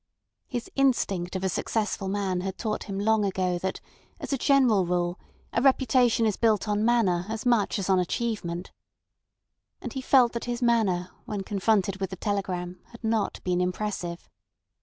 His instinct of a successful man had taught him long ago that, as a general rule, a reputation is built on manner as much as on achievement. And he felt that his manner when confronted with the telegram had not been impressive.